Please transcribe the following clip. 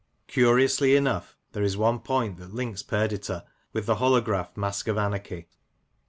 Curiously enough, there is one point that links Perdita with the holograph Mask of Anarchy.